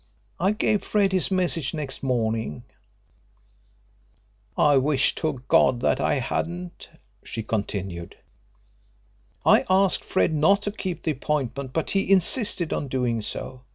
"I gave Fred his message next morning I wish to God that I hadn't," she continued. "I asked Fred not to keep the appointment, but he insisted on doing so.